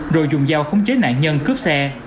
rồi dùng dao khống chế nạn nhân cướp xe